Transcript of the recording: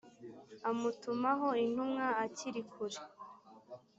amutumaho intumwa akiri kure